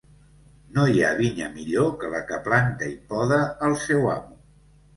No hi ha vinya millor que la que planta i poda el seu amo.